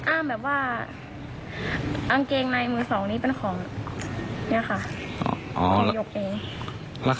อ้ามแบบว่าอังเกงในมือสองนี้เป็นของเนี่ยค่ะ